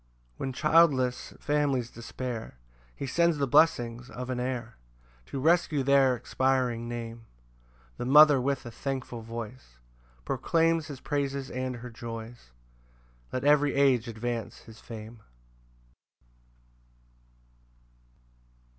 4 When childless families despair, He sends the blessings of an heir To rescue their expiring name: The mother with a thankful voice Proclaims his praises and her joys: Let every age advance his fame.